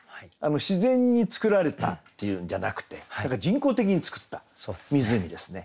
自然につくられたっていうんじゃなくて人工的に造った湖ですね。